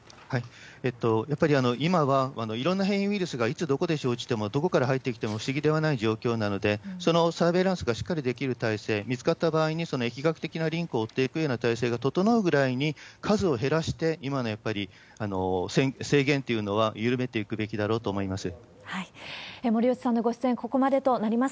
やっぱり今はいろんな変異ウイルスがいつどこで生じても、どこから入ってきても不思議ではない状況なので、そのサーベイランスがしっかりできる体制、見つかった場合に、その疫学的なリンクを追っていくような体制が整うぐらいに、数を減らして、今のやっぱり制限というのは、緩めていくべきだろうと森内さんのご出演、ここまでとなります。